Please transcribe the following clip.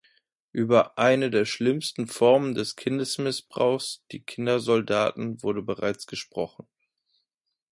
Über eine der schlimmsten Formen des Kindesmissbrauchs, die Kindersoldaten, wurde bereits gesprochen.